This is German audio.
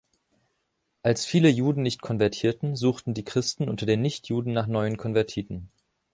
Als viele Juden nicht konvertierten, suchten die Christen unter den Nichtjuden nach neuen Konvertiten.